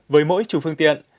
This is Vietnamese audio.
với mỗi chủ phương tiện